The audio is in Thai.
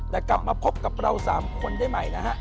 แต่กลับมาพบกับเรา๓คนได้ใหม่นะฮะ